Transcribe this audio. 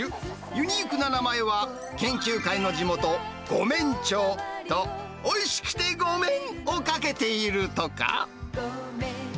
ユニークな名前は、研究会の地元、御免町と、おいしくてごめんをかけているとか。